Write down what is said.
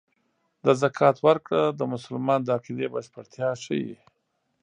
د زکات ورکړه د مسلمان د عقیدې بشپړتیا ښيي.